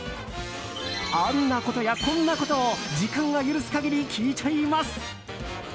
あんなことやこんなことを時間が許す限り聞いちゃいます。